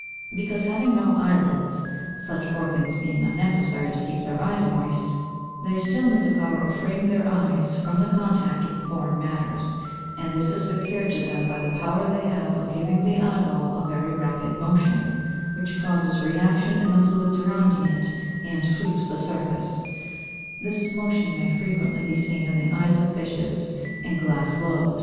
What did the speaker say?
_ Because, having no eyelids (such organs being unnecessary to keep their eyes moist), they still need the power of freeing their eyes from the contact of foreign matters; and this is secured to them by the power they have of giving the eyeball a very rapid motion, which causes reaction in the fluid surrounding it, and sweeps the surface. This motion may frequently be seen in the eyes of fishes, in glass globes.